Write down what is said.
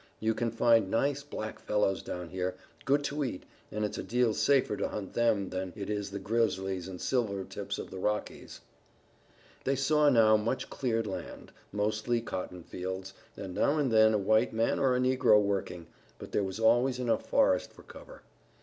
"You can find nice, black fellows down here, good to eat, and it's a deal safer to hunt them than it is the grizzlies and silver tips of the Rockies." They saw now much cleared land, mostly cotton fields, and now and then a white man or a negro working, but there was always enough forest for cover.